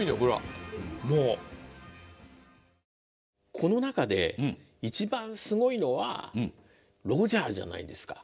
この中で一番すごいのはロジャーじゃないですか。